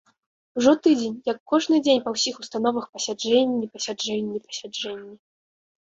Ужо тыдзень, як кожны дзень па ўсіх установах пасяджэнні, пасяджэнні, пасяджэнні.